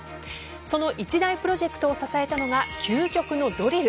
その一大プロジェクトを支えたのが究極のドリル。